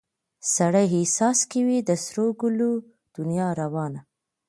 سړي احساس کې وي د سرو ګلو دنیا روانه